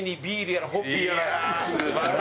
素晴らしい！